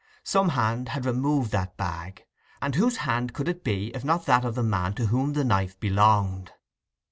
Some hand had removed that bag; and whose hand could it be, if not that of the man to whom the knife belonged?